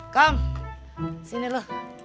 kom sini lu